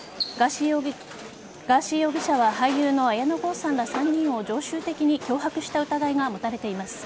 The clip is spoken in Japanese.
ガーシー容疑者は俳優の綾野剛さんら３人を常習的に脅迫した疑いが持たれています。